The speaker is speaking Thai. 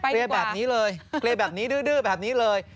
เรียนแบบนี้เลยเคลียร์แบบนี้ดื้อแบบนี้เลย